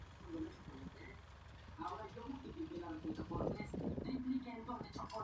Bajo su supervisión se erigió una cúpula linterna escalonada con una corona.